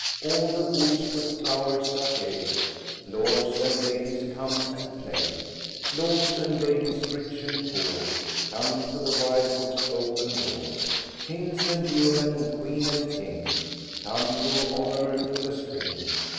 All the woods with flowers are gay, Lords and ladies, come and play! Lords and ladies, rich and poor, Come to the wild woods' open door! Hinds and yeomen, Queen and King, Come do honour to the Spring!